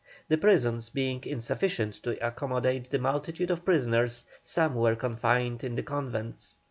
The prisons being insufficient to accommodate the multitude of prisoners, some were confined in the convents.